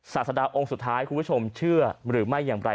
ศาสดาองค์สุดท้ายคุณผู้ชมเชื่อหรือไม่อย่างไร